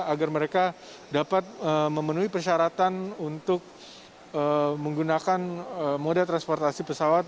agar mereka dapat memenuhi persyaratan untuk menggunakan moda transportasi pesawat